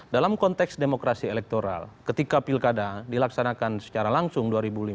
dalam konteks demokrasi elektoral ketika pilkada dilaksanakan secara langsung dua ribu lima belas